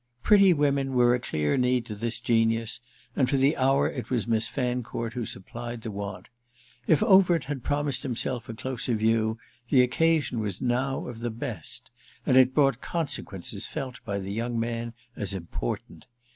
Pretty women were a clear need to this genius, and for the hour it was Miss Fancourt who supplied the want. If Overt had promised himself a closer view the occasion was now of the best, and it brought consequences felt by the young man as important.